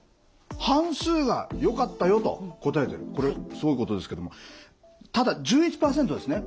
半数がよかったよと答えてるこれすごいことですけどもただ１１％ですね